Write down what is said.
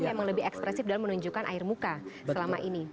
yang lebih ekspresif dalam menunjukkan air muka selama ini